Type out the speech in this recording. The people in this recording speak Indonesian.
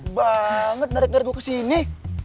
ribet banget narik narik gue ke sini